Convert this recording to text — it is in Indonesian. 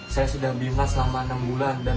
saya sudah bilang selama enam bulan